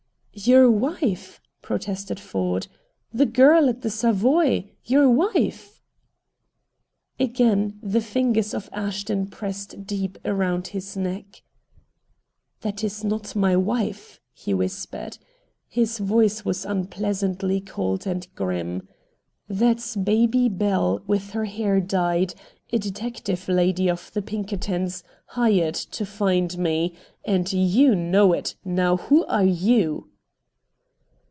"Your wife," protested Ford; "the girl at the Savoy, your wife." Again the fingers of Ashton pressed deep around his neck. "That is not my wife," he whispered. His voice was unpleasantly cold and grim. "That's 'Baby Belle,' with her hair dyed, a detective lady of the Pinkertons, hired to find me. And YOU know it. Now, who are YOU?"